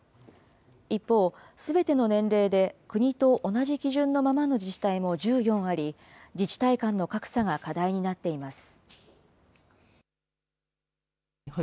一方、すべての年齢で国と同じ基準のままの自治体も１４あり、自治体間の格差が課題になっています。